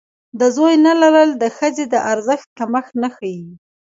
د زوی نه لرل د ښځې د ارزښت کمښت نه ښيي.